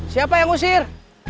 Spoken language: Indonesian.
siapa yang ngusir